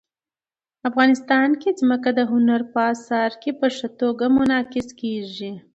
افغانستان کې ځمکه د هنر په اثار کې په ښه توګه منعکس کېږي.